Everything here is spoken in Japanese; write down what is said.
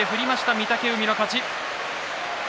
御嶽海の勝ち。